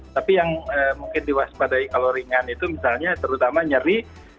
tapi yang mungkin diwaspadai kalau ringan itu misalnya terutama nyeri